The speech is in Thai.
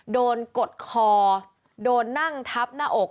กดคอโดนนั่งทับหน้าอก